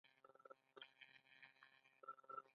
يعنې ډیر باید وخوړل شي.